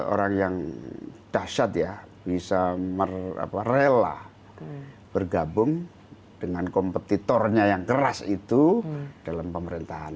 orang yang dahsyat ya bisa rela bergabung dengan kompetitornya yang keras itu dalam pemerintahan